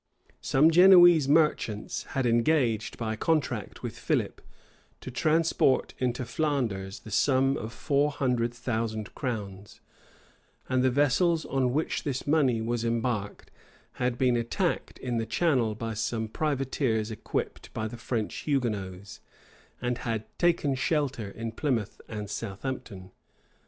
Some Genoese merchants had engaged, by contract with Philip, to transport into Flanders the sum of four hundred thousand crowns; and the vessels on which this money was embarked, had been attacked in the Channel by some privateers equipped by the French Hugonots, and had taken shelter in Plymouth and Southampton.